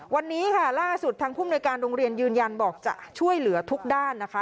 วันนี้ค่ะล่าสุดทางผู้มนุยการโรงเรียนยืนยันบอกจะช่วยเหลือทุกด้านนะคะ